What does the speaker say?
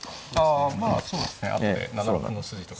あまあそうですね後で７六歩の筋とか。